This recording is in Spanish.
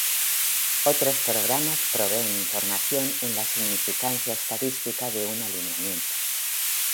Otros programas proveen información en la significancia estadística de un alineamiento.